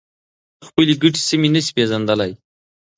خپلې ګټې سمې نشي پېژندلای.